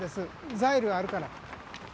ザイルあるから。